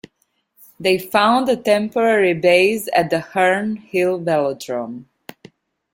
They found a temporary base at the Herne Hill Velodrome.